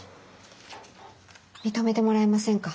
認めてもらえませんか？